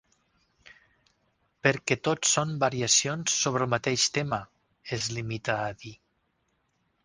Perquè tots són variacions sobre el mateix tema —es limita a dir.